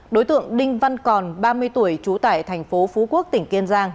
đối tượng đinh văn còn ba mươi tuổi trú tại thành phố phú quốc tỉnh kiên giang